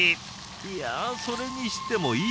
いやそれにしてもいいお肉。